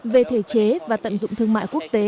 về thể chế và tận dụng thương mại quốc tế